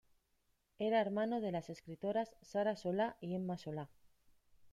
Era hermano de las escritoras Sara Solá y Emma Solá.